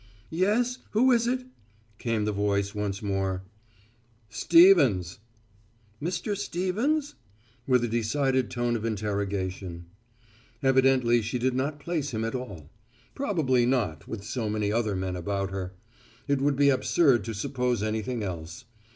"Yes, who is it!" came the voice once more. "Stevens." "Mr. Stevens?" with a decided tone of interrogation. Evidently she did not place him at all. Probably not, with so many other men about her. It would be absurd to suppose anything else.